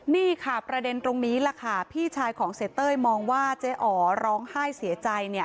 นี่ค่ะประเด็นตรงนี้แหละค่ะพี่ชายของเสียเต้ยมองว่าเจ๊อ๋อร้องไห้เสียใจเนี่ย